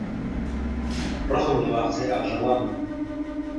ڕقم لە باخچەی ئاژەڵانە.